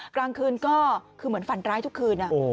กลางคืนก็คือเหมือนฝันร้ายทุกคืน